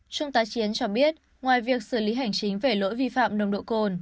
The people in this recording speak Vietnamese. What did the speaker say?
trung tá chiến cho biết ngoài việc xử lý hành chính về lỗi vi phạm nồng độ cồn